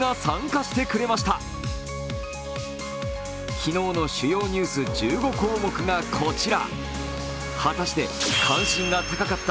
昨日の主要ニュース１５項目がこちら。